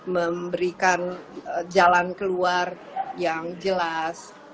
memberikan jalan keluar yang jelas